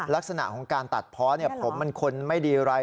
ลักษณะของการตัดเพาะผมเป็นคนไม่ดีอะไร